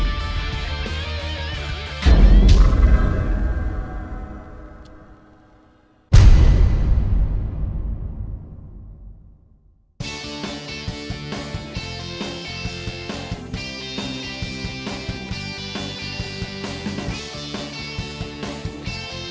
กลับจริง